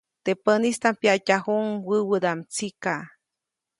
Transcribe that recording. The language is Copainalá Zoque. Teʼ päʼnistaʼm pyaʼtyajuʼuŋ wäwädaʼm tsika.